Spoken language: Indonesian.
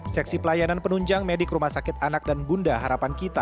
seksi pelayanan penunjang medik rumah sakit anak dan bunda harapan kita